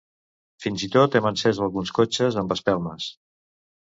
Fins i tot hem encès alguns cotxes amb espelmes.